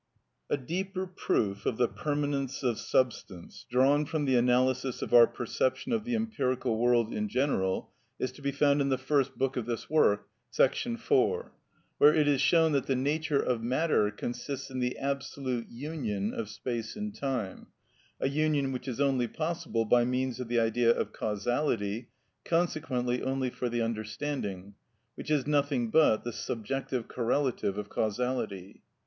A deeper proof of the permanence of substance, drawn from the analysis of our perception of the empirical world in general, is to be found in the first book of this work, § 4, where it is shown that the nature of matter consists in the absolute union of space and time, a union which is only possible by means of the idea of causality, consequently only for the understanding, which is nothing but the subjective correlative of causality.